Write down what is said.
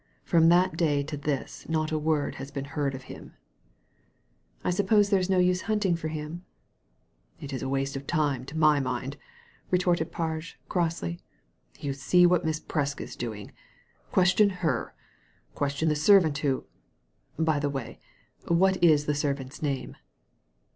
From that day to this not a word has been heard of him.*' I suppose there is no use hunting for him ?"" It is waste of time, to my mind," retorted Parge, crossly. " You see what Mrs. Presk is doing. Ques tion her ; question the servant who ^ By the way, what is the servant's name